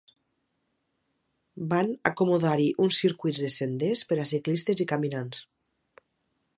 Van acomodar-hi uns circuits de senders per a ciclistes i caminants.